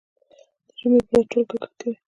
د جمعې په ورځ ټول کرکټ کوي.